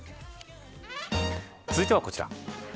続いてはこちら。